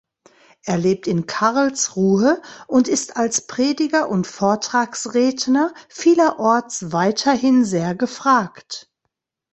Er lebt in Karlsruhe und ist als Prediger und Vortragsredner vielerorts weiterhin sehr gefragt.